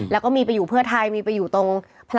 แล้วก็มีไปอยู่เพื่อไทยมีไปอยู่ตรงพลัง